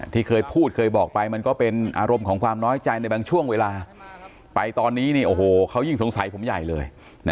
ที่เคยพูดเคยบอกไปมันก็เป็นอารมณ์ของความน้อยใจในบางช่วงเวลาไปตอนนี้เขายิ่งสงสัยผมใหญ่เลย